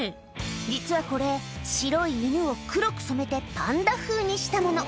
実はこれ、白い犬を黒く染めてパンダ風にしたもの。